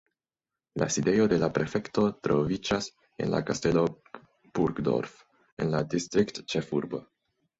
La sidejo de la prefekto troviĝas en la Kastelo Burgdorf en la distriktĉefurbo.